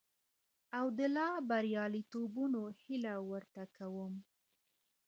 او د لا برياليتوبونو هيله ورته کوم.